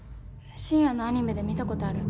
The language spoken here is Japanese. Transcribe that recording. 深夜のアニメで見た事ある。